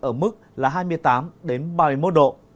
ở mức là hai mươi tám ba mươi một độ